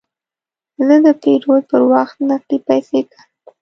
زه د پیرود پر وخت نغدې پیسې کاروم.